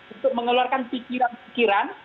untuk mengeluarkan pikiran pikiran